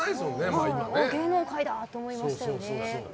芸能界だ！と思いましたよね。